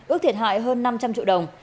ước thiệt hại hơn năm trăm linh triệu đồng